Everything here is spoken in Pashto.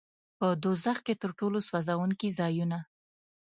په دوزخ کې تر ټولو سوځوونکي ځایونه.